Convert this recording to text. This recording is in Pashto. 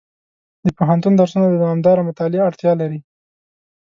د پوهنتون درسونه د دوامداره مطالعې اړتیا لري.